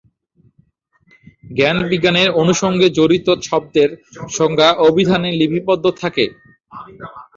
জ্ঞান-বিজ্ঞানের অনুষঙ্গে জড়িত শব্দের সংজ্ঞা অভিধানে লিপিবদ্ধ থাকে।